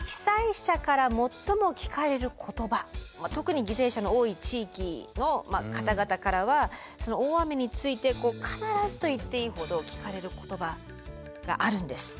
特に犠牲者の多い地域の方々からはその大雨について必ずと言っていいほど聞かれる言葉があるんです。